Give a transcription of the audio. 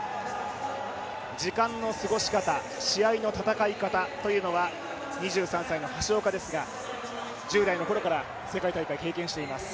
時間の過ごし方、試合の戦い方というのは２３歳の橋岡ですが１０代のころから世界大会、経験しています。